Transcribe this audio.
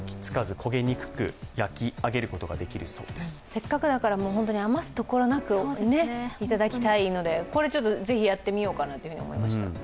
せっかくだから、余すところなくいただきたいので、これ、是非やってみようかなと思いました。